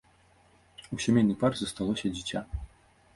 У сямейнай пары засталося дзіця.